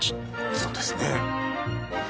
そうですね。